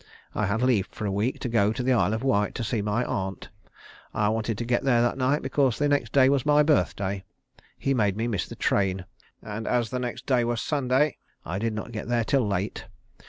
I had leave for a week to go to the Isle of Wight and see my aunt. I wanted to get there that night because the next day was my birthday. He made me miss the train, and as the next day was Sunday, I did not get there till late.